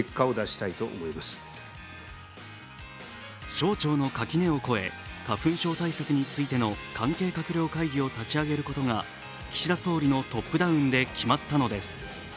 省庁の垣根を越え、花粉症対策についての関係閣僚会議を立ち上げることが岸田総理のトップダウンで決まったのです。